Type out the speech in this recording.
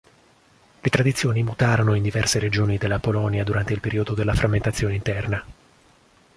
Le tradizioni mutarono in diverse regioni della Polonia durante il periodo della frammentazione interna.